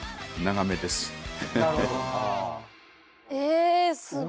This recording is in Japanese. えすごい。